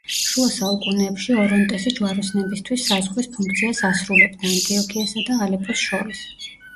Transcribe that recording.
შუა საუკუნეებში ორონტესი ჯვაროსნებისთვის საზღვრის ფუნქციას ასრულებდა ანტიოქიასა და ალეპოს შორის.